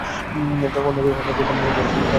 অন্য এক বর্ণনায় ষাট বছরের উল্লেখ রয়েছে।